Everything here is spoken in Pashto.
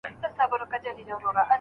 ایا ته د خپلو اخلاقو مسؤلیت اخلې؟